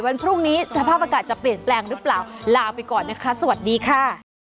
วันพรุ่งนี้สภาพอากาศจะเปลี่ยนแปลงหรือเปล่าลาไปก่อนนะคะสวัสดีค่ะ